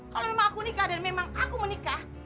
kalau memang aku nikah dan memang aku mau nikah